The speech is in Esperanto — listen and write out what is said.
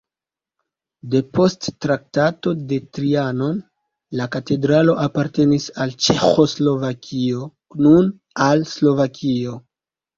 Depost Traktato de Trianon la katedralo apartenis al Ĉeĥoslovakio, nun al Slovakio.